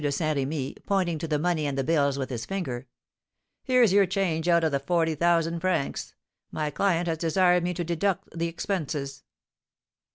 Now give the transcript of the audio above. de Saint Remy, pointing to the money and the bills with his finger: "Here's your change out of the forty thousand francs; my client has desired me to deduct the expenses."